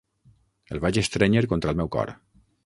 El vaig estrènyer contra el meu cor.